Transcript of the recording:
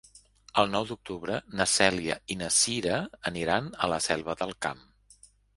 El nou d'octubre na Cèlia i na Cira aniran a la Selva del Camp.